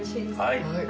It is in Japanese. はい。